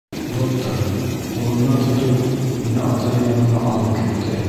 Доктор, ҡулымдан тотоп, мине атайым янына алып китте.